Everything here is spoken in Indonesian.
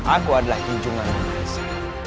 aku adalah pinjunganmu mahesa